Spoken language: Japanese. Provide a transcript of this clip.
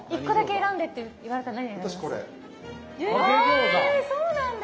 えそうなんだ。